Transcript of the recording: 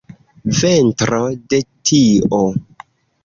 Ventro de tio!